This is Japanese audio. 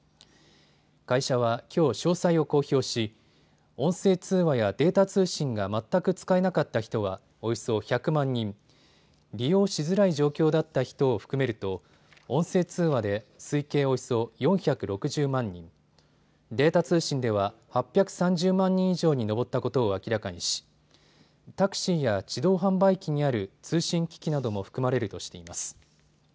会社はきょう詳細を公表し音声通話やデータ通信が全く使えなかった人はおよそ１００万人、利用しづらい状況だった人を含めると音声通話で推計およそ４６０万人、データ通信では８３０万人以上に上ったことを明らかにしタクシーや自動販売機にある通信機器なども含まれるとしています。